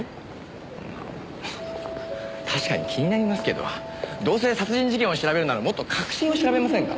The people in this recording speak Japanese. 確かに気になりますけどどうせ殺人事件を調べるならもっと核心を調べませんか？